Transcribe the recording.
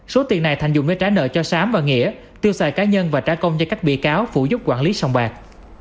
số tiền này thành dùng để trả nợ cho sám và nghĩa tiêu xài cá nhân và trả công cho các bị cáo phụ giúp quản lý sông bạc